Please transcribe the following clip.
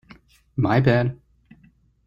My bad!